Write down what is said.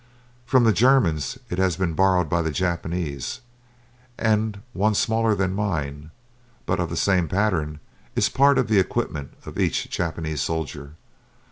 From the Germans it has been borrowed by the Japanese, and one smaller than mine, but of the same pattern, is part of the equipment of each Japanese soldier.